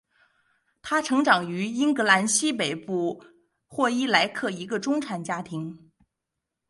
她成长于英格兰西北部霍伊莱克一个中产家庭。